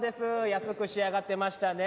安く仕上がってましたね。